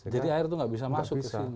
jadi air itu tidak bisa masuk ke sini